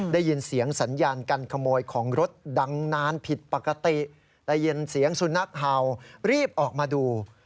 ได้ยินเสียงสัญญาการขโมยของรถดังนานผิดปกติได้ยินเสียงสุนัขเห่ารีบออกมาดู